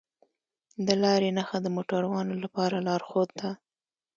د لارې نښه د موټروانو لپاره لارښود ده.